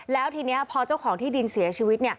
แล้วทีนี้พอเจ้าของที่ดินเสียชีวิต